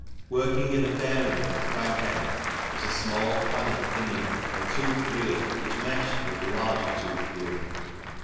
Working in a bearing on the crank end was a small planet pinion, or toothed wheel, which meshed with the larger toothed wheel.